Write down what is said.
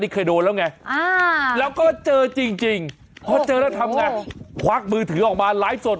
ค่ะอ่าแล้วก็เจอจริงจริงเพราะเจอแล้วทำงานควักมือถือออกมาไลฟ์สด